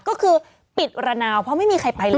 ก็คือปิดระนาวเพราะไม่มีใครไปเลย